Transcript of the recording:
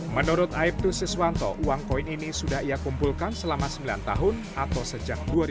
menurut aibtu siswanto uang koin ini sudah ia kumpulkan selama sembilan tahun atau sejak dua ribu